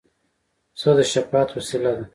پسه د شفاعت وسیله ده.